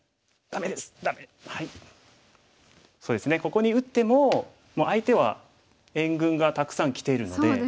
ここに打っても相手は援軍がたくさんきているので。